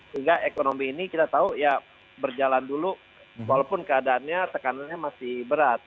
sehingga ekonomi ini kita tahu ya berjalan dulu walaupun keadaannya tekanannya masih berat